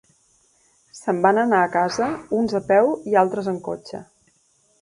Se'n van anar a casa, uns a peu i altres en cotxe.